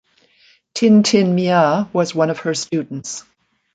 Tin Tin Mya was one of her students.